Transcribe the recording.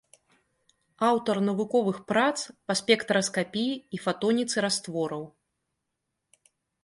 Аўтар навуковых прац па спектраскапіі і фатоніцы раствораў.